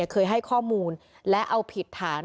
เคยให้ข้อมูลและเอาผิดฐาน